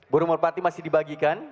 burung merpati masih dibagikan